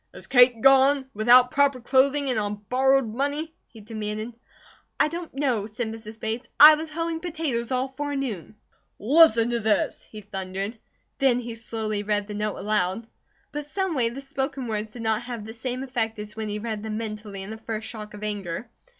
"Is Kate gone? Without proper clothing and on borrowed money," he demanded. "I don't know," said Mrs. Bates. "I was hoeing potatoes all forenoon." "Listen to this," he thundered. Then he slowly read the note aloud. But someway the spoken words did not have the same effect as when he read them mentally in the first shock of anger.